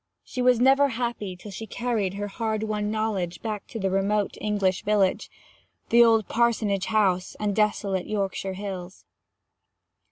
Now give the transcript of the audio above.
She was never happy till she carried her hard won knowledge back to the remote English village, the old parsonage house, and desolate Yorkshire hills.